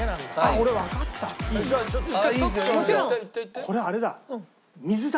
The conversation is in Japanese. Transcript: これあれだ。